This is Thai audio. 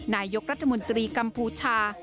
นายกรัฐมนตรีกัมพูชา